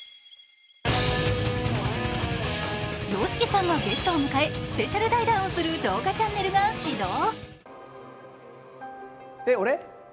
ＹＯＳＨＩＫＩさんがゲストを迎えスペシャル対談する動画チャンネルが始動。